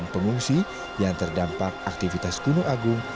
delapan pengungsi yang terdampak aktivitas gunung agung